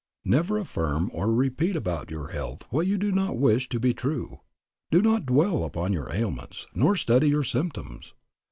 ... "Never affirm or repeat about your health what you do not wish to be true. Do not dwell upon your ailments, nor study your symptoms.